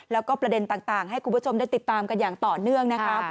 แล้วก็ประเด็นต่างให้คุณผู้ชมได้ติดตามกันอย่างต่อเนื่องนะคะ